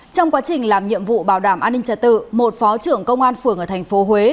trong quá trình làm nhiệm vụ bảo đảm an ninh trả tự một phó trưởng công an phường ở thành phố huế